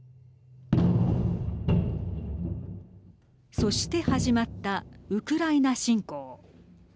そして始まったウクライナ侵攻。